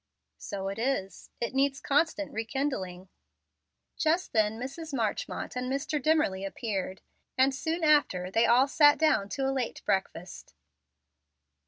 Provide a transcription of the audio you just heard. "So it is; it needs constant rekindling." Just then Mrs. Marchmont and Mr. Dimmerly appeared, and soon after they all sat down to a late breakfast.